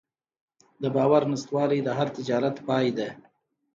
د باور نشتوالی د هر تجارت پای ده.